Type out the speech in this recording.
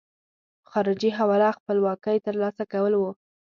په خارجي حواله خپلواکۍ ترلاسه کول وو.